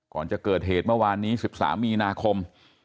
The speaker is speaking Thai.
ก่อนจะเกิดเหตุเมื่อวานนี้๑๓มีนาคม